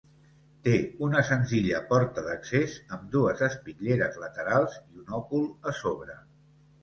Té una senzilla porta d'accés amb dues espitlleres laterals i un òcul a sobre.